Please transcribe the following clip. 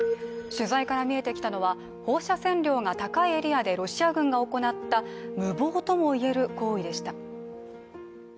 取材から見えてきたのは放射線量が高いエリアでロシア軍が行った無謀ともいえる行為でした。